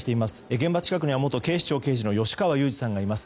現場近くには元警視庁刑事の吉川祐二さんがいます。